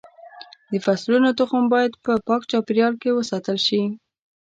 د فصلونو تخم باید په پاک چاپېریال کې وساتل شي.